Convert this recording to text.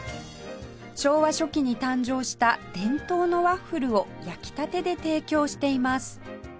昭和初期に誕生した伝統のワッフルを焼きたてで提供しています